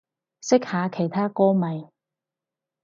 識下其他歌迷